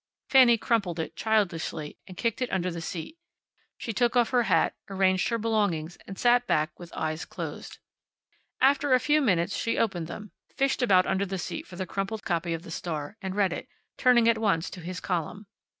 Fanny crumpled it, childishly, and kicked it under the seat. She took off her hat, arranged her belongings, and sat back with eyes closed. After a few moments she opened them, fished about under the seat for the crumpled copy of the Star, and read it, turning at once to his column.